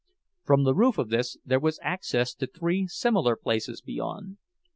From the roof of this there was access to three similar places beyond.